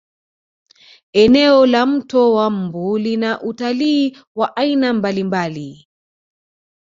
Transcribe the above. eneo la mto wa mbu lina utalii wa aina mbalimbali